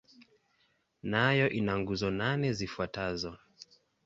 Nayo ina nguzo nane zifuatazo.